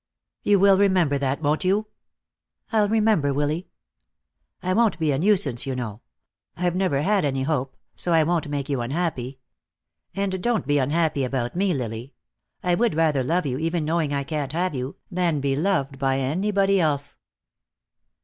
"You will remember that, won't you?" "I'll remember, Willy." "I won't be a nuisance, you know. I've never had any hope, so I won't make you unhappy. And don't be unhappy about me, Lily. I would rather love you, even knowing I can't have you, than be loved by anybody else."